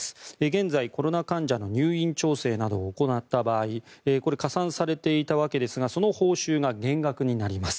現在、コロナ患者の入院調整などを行った場合加算されていたわけですがその報酬が年額になります。